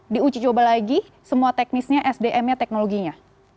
diuji coba lagi semua teknisnya sdm nya teknologinya